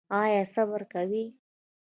ایا صبر کوئ؟